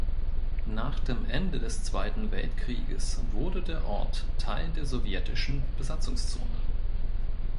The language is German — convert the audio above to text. Nach dem Ende des Zweiten Weltkrieges wurde der Ort Teil der Sowjetischen Besatzungszone.